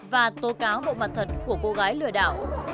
và tố cáo bộ mặt thật của cô gái lừa đảo